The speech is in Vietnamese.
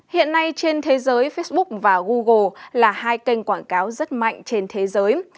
hiện nay trên thế giới facebook và google là hai kênh quảng cáo rất mạnh trên thế giới